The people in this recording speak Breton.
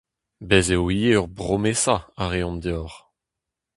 Bez' eo ivez ur bromesa a reomp deoc'h.